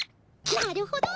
なるほど！